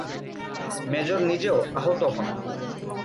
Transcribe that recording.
Major নিজেও আহত হন।